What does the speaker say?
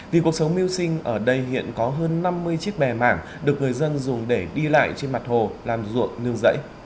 vì cuộc sống mưu sinh ở đây hiện có hơn năm mươi chiếc bè mảng được người dân dùng để đi lại trên mặt hồ làm ruộng nương rẫy